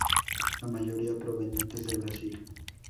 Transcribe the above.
La mayoría provenientes de Brasil.